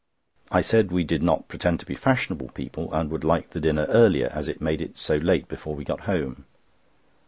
I said we did not pretend to be fashionable people, and would like the dinner earlier, as it made it so late before we got home.